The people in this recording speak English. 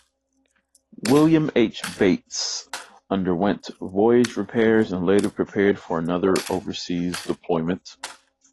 "William H. Bates" underwent voyage repairs and later prepared for another overseas deployment.